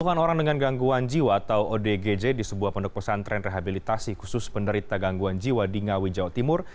puluhan orang dengan gangguan jiwa atau odgj di sebuah pondok pesantren rehabilitasi khusus penderita gangguan jiwa di ngawi jawa timur